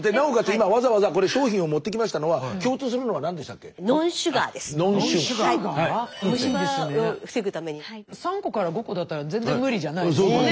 今わざわざこれ商品を持ってきましたのは３個から５個だったら全然無理じゃないですもんね。